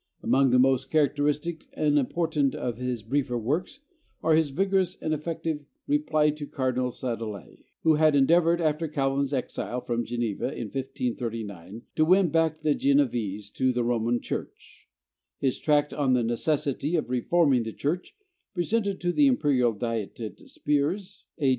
Among the most characteristic and important of his briefer works are his vigorous and effective 'Reply to Cardinal Sadolet,' who had endeavored after Calvin's exile from Geneva in 1539 to win back the Genevese to the Roman Church; his tract on 'The Necessity of Reforming the Church; presented to the Imperial Diet at Spires, A.